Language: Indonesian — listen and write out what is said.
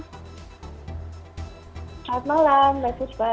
selamat malam mbak cisda